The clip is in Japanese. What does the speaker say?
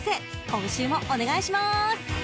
今週もお願いします！］